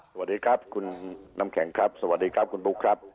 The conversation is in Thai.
สวัสดีครับคุณน้ำแข็งครับสวัสดีครับคุณบุ๊คครับ